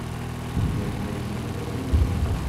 Imdanen-agi, heddren kan.